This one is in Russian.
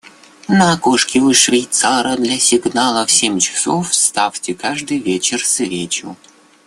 На окошке у швейцара для сигнала в семь часов ставьте каждый вечер свечу.